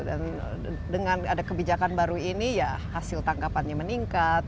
dan dengan ada kebijakan baru ini ya hasil tangkapannya meningkat